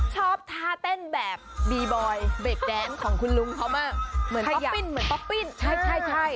ชอบทาเต้นแบบบีบอยเบคแดนของคุณลุงเขามาเหมือนต็อปปิ้นใช่